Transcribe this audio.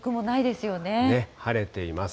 晴れています。